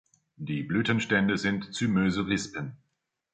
Die Blütenstände sind zymöse Rispen.